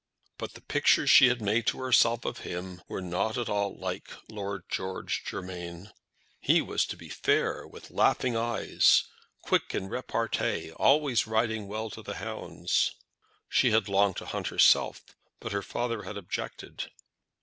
But the pictures she had made to herself of him were not at all like Lord George Germain. He was to be fair, with laughing eyes, quick in repartee, always riding well to hounds. She had longed to hunt herself, but her father had objected.